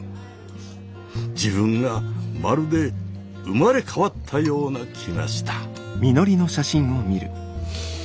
自分がまるで生まれ変わったような気がした。